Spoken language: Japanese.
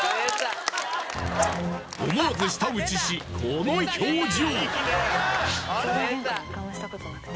思わず舌打ちしこの表情！